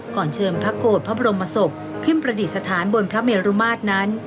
เชิญพระโกรธพระบรมศพขึ้นประดิษฐานบนพระเมรุมาตรนั้น